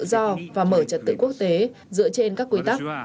đầu tiên là duy trì và củng cố nền tự do và mở trật tự quốc tế dựa trên các quy tắc